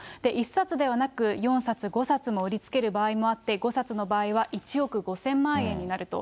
１冊ではなく、４冊５冊も売りつける場合もあって、５冊の場合は１億５０００万円になると。